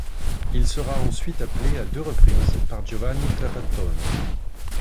Il sera ensuite appelé à deux reprises par Giovanni Trapattoni.